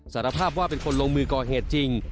สารภาพว่าเป็นคนลงมือก่อเหตุจริง